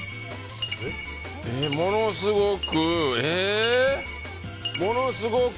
ものすごくえー？